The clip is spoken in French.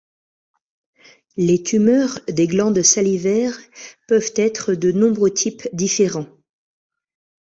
Les tumeurs des glandes salivaires peuvent être de nombreux types différents.